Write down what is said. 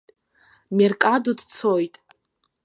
Меркадо дцоит.